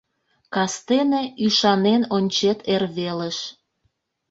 Кастене ÿшанен ончет эрвелыш.